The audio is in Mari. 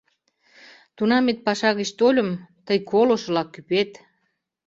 — Тунамет паша гыч тольым — тый колышыла кӱпет.